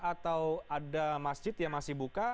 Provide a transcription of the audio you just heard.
atau ada masjid yang masih buka